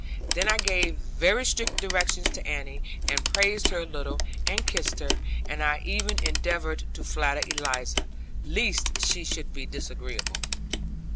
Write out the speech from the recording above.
Then I gave very strict directions to Annie, and praised her a little, and kissed her; and I even endeavoured to flatter Eliza, lest she should be disagreeable.